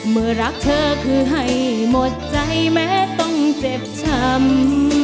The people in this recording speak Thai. เมื่อรักเธอคือให้หมดใจแม้ต้องเจ็บช้ำ